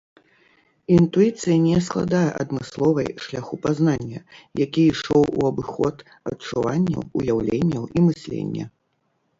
Інтуіцыя не складае адмысловай шляху пазнання, які ішоў у абыход адчуванняў, уяўленняў і мыслення.